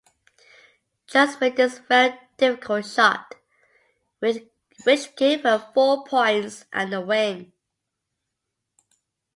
Jones made this very difficult shot, which gave her four points and the win.